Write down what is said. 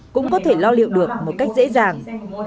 cũng có thể lo liệu được một cách dễ dàng